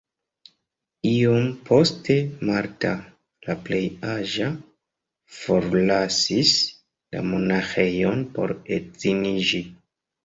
Iom poste Martha, la plej aĝa, forlasis la monaĥejon por edziniĝi.